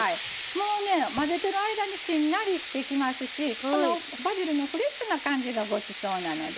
もうね混ぜてる間にしんなりしてきますしこのバジルのフレッシュな感じがごちそうなのでね。